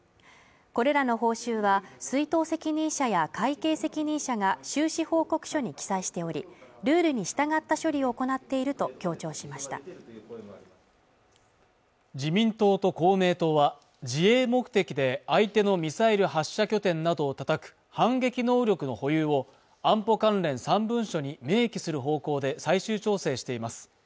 これらの報酬は出納責任者や会計責任者が収支報告書に記載しておりルールに従った処理を行っていると強調しました自民党と公明党は自衛目的で相手のミサイル発射拠点などを叩く反撃能力の保有を安保関連３文書に明記する方向で最終調整しています